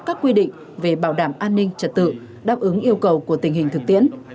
các quy định về bảo đảm an ninh trật tự đáp ứng yêu cầu của tình hình thực tiễn